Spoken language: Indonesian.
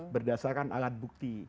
berdasarkan alat bukti